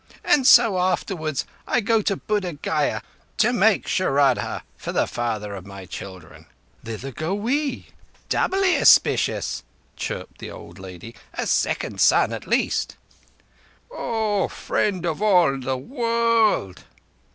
And so afterwards I go to Buddh Gaya, to make shraddha for the father of my children." "Thither go we." "Doubly auspicious," chirruped the old lady. "A second son at least!" "O Friend of all the World!"